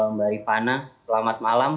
mbak rifana selamat malam